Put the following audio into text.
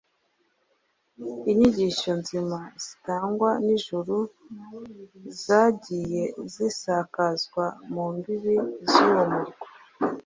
inyigisho nzima zitangwa n’ijuru zagiye zisakazwa mu mbibi z’uwo murwa.